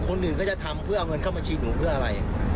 คนอื่นก็จะทำเพื่อเอาเงินเข้าบัญชีหนูเพื่ออะไร